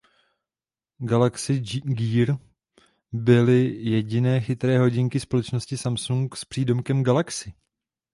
Galaxy Gear byly jediné chytré hodinky společnosti Samsung s přídomkem "Galaxy".